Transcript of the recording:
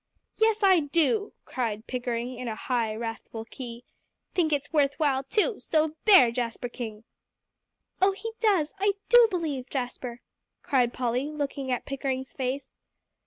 "Yes, I do," cried Pickering in a high, wrathful key, "think it's worth while too, so there, Jasper King!" "Oh, he does, I do believe, Jasper," cried Polly, looking at Pickering's face.